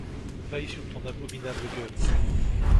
Veille sur ton abominable gueule.